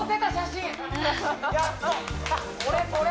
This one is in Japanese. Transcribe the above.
これこれ！